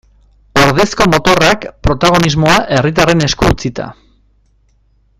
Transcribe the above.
Ordezko motorrak, protagonismoa herritarren esku utzita.